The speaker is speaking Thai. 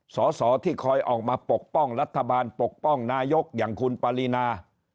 สอสอที่คอยออกมาปกป้องรัฐบาลปกป้องนายกอย่างคุณปารีนา